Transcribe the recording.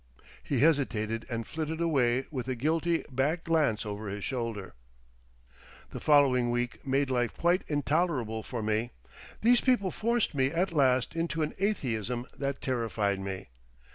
He hesitated and flitted away with a guilty back glance over his shoulder.... The following week made life quite intolerable for me; these people forced me at last into an Atheism that terrified me.